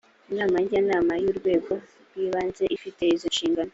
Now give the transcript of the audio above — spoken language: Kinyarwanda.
inama njyanama y’urwego rw’ibanze ifite izo nshingano